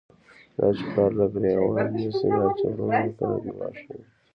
دا چی پلار له گریوان نیسی، دا چی وروڼو ته گوا ښیږی